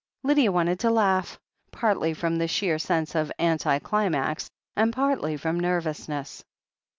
Lydia wanted to laugh, partly from the sheer sense of anti climax, and partly from nervousness.